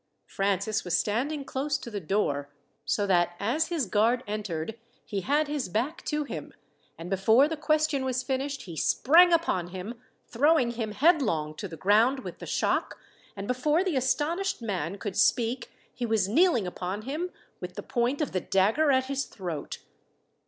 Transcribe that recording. Francis was standing close to the door, so that as his guard entered he had his back to him, and before the question was finished he sprang upon him, throwing him headlong to the ground with the shock, and before the astonished man could speak he was kneeling upon him, with the point of the dagger at his throat.